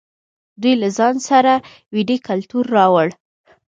دوی له ځان سره ویدي کلتور راوړ.